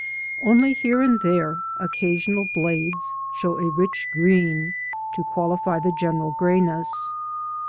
Only here and there occasional blades show a rich green to qualify the general greyness.